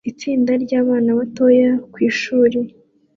Itsinda ryabana batoya kwishuri